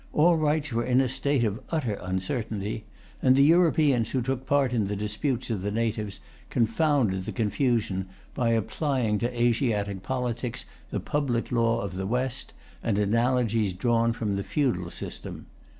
All rights were in a state of utter uncertainty; and the Europeans who took part in the disputes of the natives confounded the confusion, by applying to Asiatic politics the public law of the West, and analogies drawn from the feudal system.